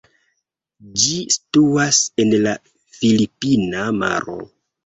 Ĝi situas en la filipina maro.